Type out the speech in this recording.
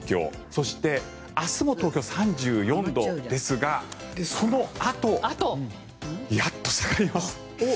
そして明日も東京、３４度ですがそのあと、やっと下がります。